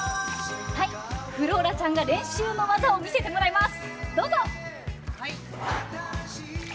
フローラちゃんに練習の技を見せてもらいます。